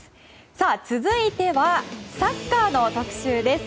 さあ、続いてはサッカーの特集です。